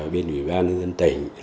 bên ủy ban nhân dân tỉnh